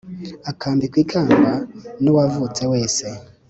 akambikwa ikamba n'uwavutse wese